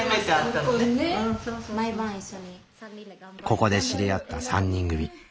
ここで知り合った３人組。